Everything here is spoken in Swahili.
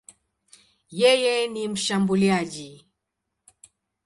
Yeye ni mshambuliaji.